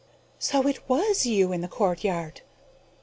"So it was you in the courtyard.